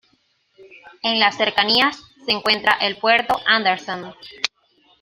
En las cercanías se encuentra el Puerto Andersen.